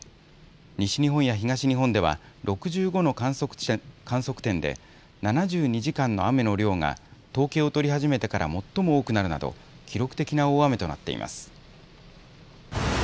西日本や東日本では６５の観測点で７２時間の雨の量が統計を取り始めてから最も多くなるなど記録的な大雨となっています。